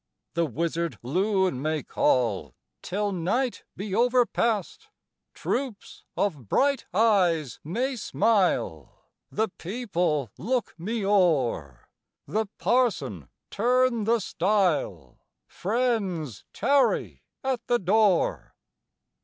The wizard loon may call Till night be overpast, Troops of bright eyes may smile, The people look me o'er, The parson turn the stile, Friends tarry at the door!